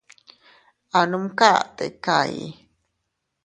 A numka tika ii.